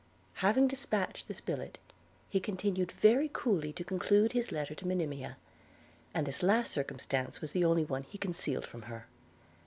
Having dispatched this billet, he continued very coolly to conclude his letter to Monimia; and this last circumstance was the only one he concealed from her.